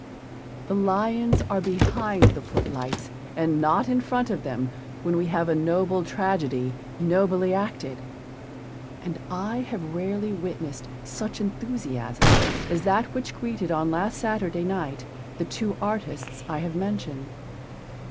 The lions are behind the footlights and not in front of them when we have a noble tragedy nobly acted. And I have rarely witnessed such enthusiasm as that which greeted on last Saturday night the two artists I have mentioned.